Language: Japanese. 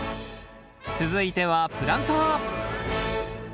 続いてはプランター。